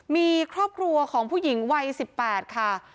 มีครอบครัวของผู้หญิงวัย๑๘ค่ะ